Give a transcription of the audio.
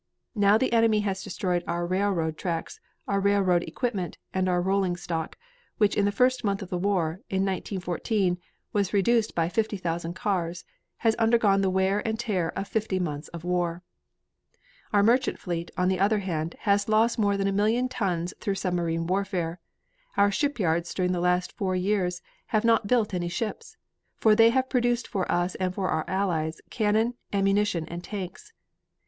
Now the enemy has destroyed our railroad tracks, our railroad equipment, and our rolling stock, which in the first month of the war, in 1914, was reduced by 50,000 cars, has undergone the wear and tear of fifty months of war. "Our merchant fleet, on the other hand, has lost more than a million tons through submarine warfare. Our shipyards during the last four years have not built any ships. For they have produced for us and for our allies cannon, ammunition, and tanks.